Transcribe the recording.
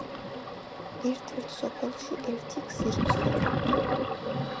ერთ-ერთ სოფელში ერთი გზირი ცხოვრობდა